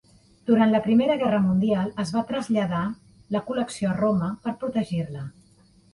Durant la Primera Guerra Mundial, es va traslladar la col·lecció a Roma per a protegir-la.